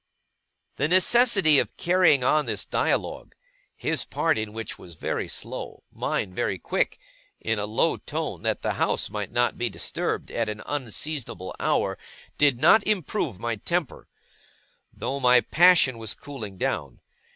The necessity of carrying on this dialogue (his part in which was very slow; mine very quick) in a low tone, that the house might not be disturbed at an unseasonable hour, did not improve my temper; though my passion was cooling down.